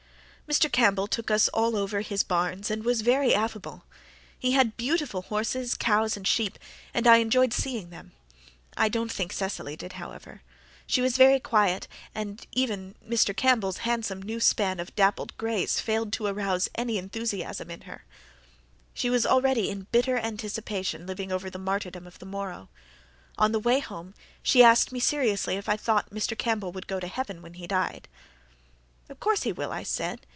Mr. Campbell took us all over his barns and was very affable. He had beautiful horses, cows and sheep, and I enjoyed seeing them. I don't think Cecily did, however. She was very quiet and even Mr. Campbell's handsome new span of dappled grays failed to arouse any enthusiasm in her. She was already in bitter anticipation living over the martyrdom of the morrow. On the way home she asked me seriously if I thought Mr. Campbell would go to heaven when he died. "Of course he will," I said.